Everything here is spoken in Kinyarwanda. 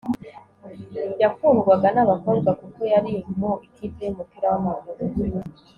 yakundwaga nabakobwa kuko yari mu ikipe yumupira wamaguru